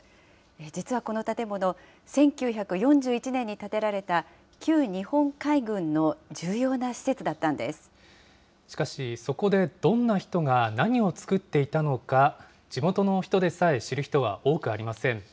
実はこの建物、１９４１年に建てられた旧日本海軍の重要な施設だしかし、そこでどんな人が何を作っていたのか、地元の人でさえ知る人は多くありません。